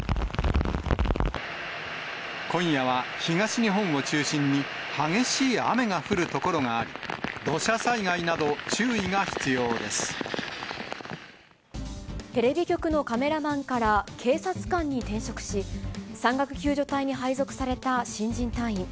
今夜は東日本を中心に激しい雨が降る所があり、土砂災害など、テレビ局のカメラマンから警察官に転職し、山岳救助隊に配属された新人隊員。